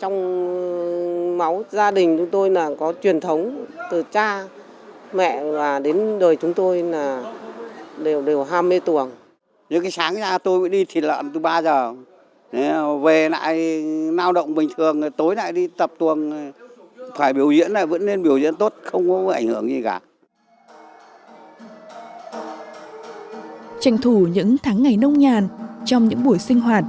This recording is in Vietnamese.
tránh thủ những tháng ngày nông nhàn trong những buổi sinh hoạt